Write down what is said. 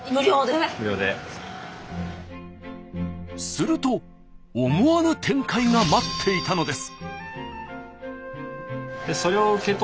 すると思わぬ展開が待っていたのです。